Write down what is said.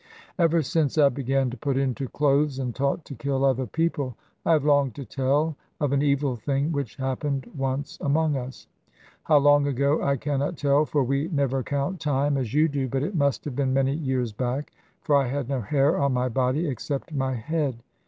"Ever since I began to be put into clothes, and taught to kill other people, I have longed to tell of an evil thing which happened once among us. How long ago I cannot tell, for we never count time as you do, but it must have been many years back, for I had no hair on my body except my head.